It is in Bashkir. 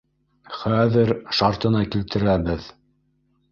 Хәҙер шартына килтерәбеҙ.